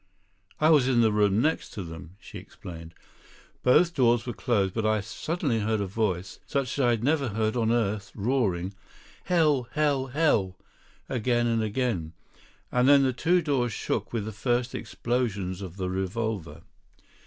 "I was in this room next to them," she explained; "both doors were closed, but I suddenly heard a voice, such as I had never heard on earth, roaring 'Hell, hell, hell,' again and again, and then the two doors shook with the first explosion of the revolver.